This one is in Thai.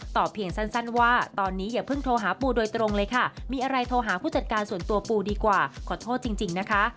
เพียงสั้นว่าตอนนี้อย่าเพิ่งโทรหาปูโดยตรงเลยค่ะมีอะไรโทรหาผู้จัดการส่วนตัวปูดีกว่าขอโทษจริงนะคะ